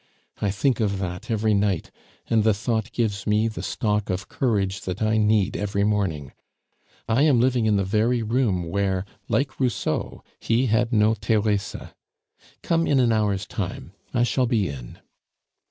I think of that every night, and the thought gives me the stock of courage that I need every morning. I am living in the very room where, like Rousseau, he had no Theresa. Come in an hour's time. I shall be in."